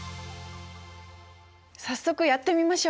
早速やってみましょう。